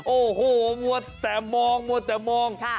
โอ้โหมัวแต่มองมัวแต่มอง